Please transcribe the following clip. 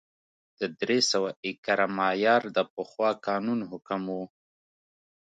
د درې سوه ایکره معیار د پخوا قانون حکم و